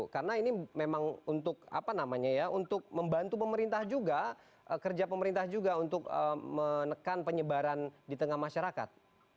karena ini memang untuk apa namanya ya untuk membantu pemerintah juga kerja pemerintah juga untuk menekan penyebaran di tengah masyarakat